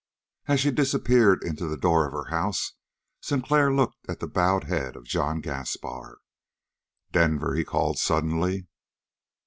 As she disappeared into the door of her house, Sinclair looked at the bowed head of John Gaspar. "Denver!" he called suddenly.